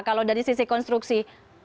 kalau dari sisi konstruksi